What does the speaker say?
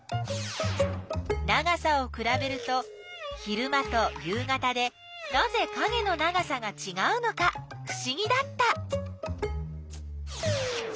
長さをくらべると昼間と夕方でなぜかげの長さがちがうのかふしぎだった。